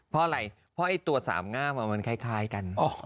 เพราะอะไรเพราะตัว๓ง่ามมันคล้ายกัน